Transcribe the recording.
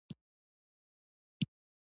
هغه وویل: زه باوري وم، په پیټسبرګ کې ووم.